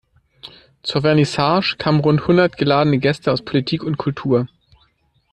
Zur Vernissage kamen rund hundert geladene Gäste aus Politik und Kultur.